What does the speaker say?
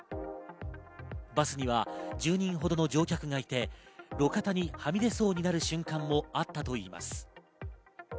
バスには１０人ほどの乗客がいて、路肩にはみ出そうになる瞬間もあったということです。